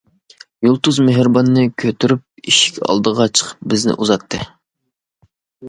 يۇلتۇز مېھرىباننى كۆتۈرۈپ ئىشىك ئالدىغا چىقىپ بىزنى ئۇزاتتى.